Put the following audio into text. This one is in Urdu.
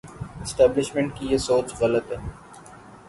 اسٹیبلشمنٹ کی یہ سوچ غلط ہے۔